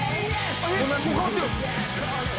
「えっ！変わってる」